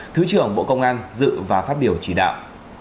thứ trưởng bộ công an dự và phát biểu chỉ đạo